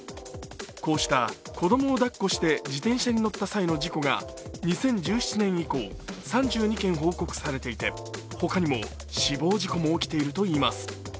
こうした、子供を抱っこして自転車に乗った際の事故が２０１７年以降、３２件報告されていて他にも死亡事故も起きているといいます。